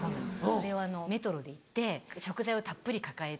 それをメトロで行って食材をたっぷり抱えて。